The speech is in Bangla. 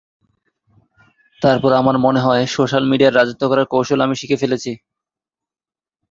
তারপরও আমার মনে হয়, সোশ্যাল মিডিয়ায় রাজত্ব করার কৌশল আমি শিখে ফেলেছি।